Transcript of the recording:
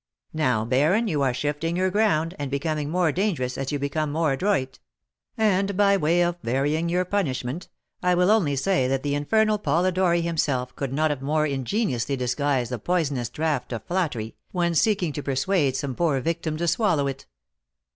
'" "Now, baron, you are shifting your ground, and becoming more dangerous as you become more adroit; and, by way of varying your punishment, I will only say that the infernal Polidori himself could not have more ingeniously disguised the poisonous draught of flattery, when seeking to persuade some poor victim to swallow it."